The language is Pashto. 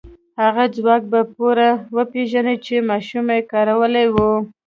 هغه ځواک به پوره وپېژنئ چې ماشومې کارولی و.